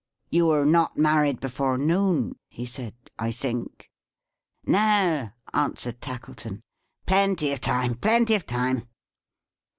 "You are not married before noon?" he said, "I think?" "No," answered Tackleton. "Plenty of time. Plenty of time."